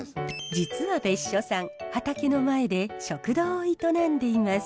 実は別所さん畑の前で食堂を営んでいます。